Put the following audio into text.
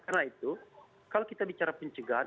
karena itu kalau kita bicara pencegahan